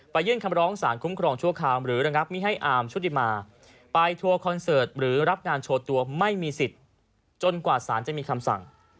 ยื่นคำร้องสารคุ้มครองชั่วคราวหรือระงับมิให้อาร์มชุติมาไปทัวร์คอนเสิร์ตหรือรับงานโชว์ตัวไม่มีสิทธิ์จนกว่าสารจะมีคำสั่ง